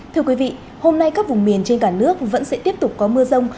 thưa quý vị hôm nay các vùng miền trên cả nước vẫn sẽ tiếp tục có mưa rông